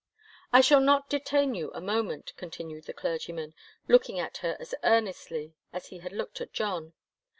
"I shall not detain you a moment," continued the clergyman, looking at her as earnestly as he had looked at John.